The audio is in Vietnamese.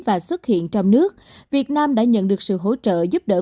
và xuất hiện trong nước việt nam đã nhận được sự hỗ trợ giúp đỡ